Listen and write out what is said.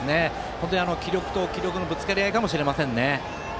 本当に気力と気力のぶつかり合いかもしれません。